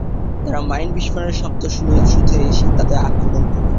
তারা মাইন বিস্ফোরণের শব্দ শুনে দ্রুত এসে তাদের আক্রমণ করে।